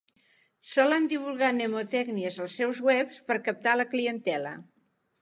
Solen divulgar mnemotècnies als seus webs per captar la clientela.